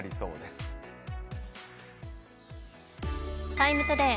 「ＴＩＭＥ，ＴＯＤＡＹ」